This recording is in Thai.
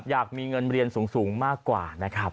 อยากมีเงินเรียนสูงมากกว่านะครับ